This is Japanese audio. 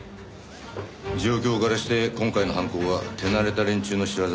状況からして今回の犯行は手慣れた連中の仕業のようだ。